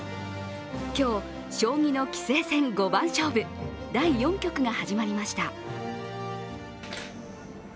今日、将棋の棋聖戦五番勝負第４局が始まりました。